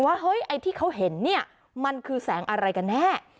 ว่าไอ้ที่เขาเห็นมันคือแสงอะไรกันแน่